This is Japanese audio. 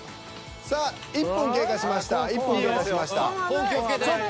さあ１分経過しました１分経過しました。